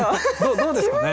どうですかね？